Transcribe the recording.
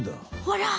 ほら！